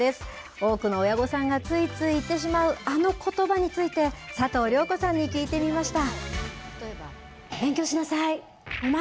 多くの親御さんがついつい言ってしまう、あのことばについて、佐藤亮子さんに聞いてみました。